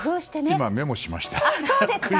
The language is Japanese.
今、メモしました。